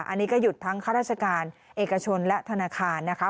อันนี้ก็หยุดทั้งข้าราชการเอกชนและธนาคารนะคะ